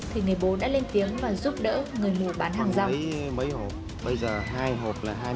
thì người bố đã lên tiếng và giúp đỡ người mù bán hàng giao